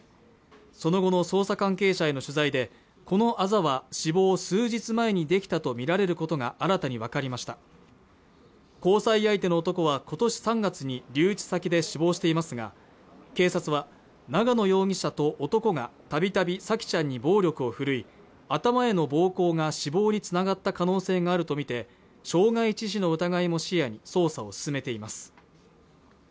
その後の捜査関係者への取材でこのアザは死亡数日前にできたと見られることが新たに分かりました交際相手の男は今年３月に留置先で死亡していますが警察は長野容疑者と男がたびたび沙季ちゃんに暴力を振るい頭への暴行が死亡につながった可能性があると見て傷害致死の疑いも視野に捜査を進めています